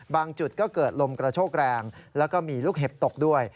จุดก็เกิดลมกระโชกแรงแล้วก็มีลูกเห็บตกด้วย